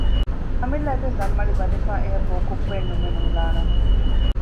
އަމިއްލަ އަތުން ދަންމަޅި ބަނދެފައި އެއަށް ބޯކޮއްޕައެއް ނުމެ ނުލާނަން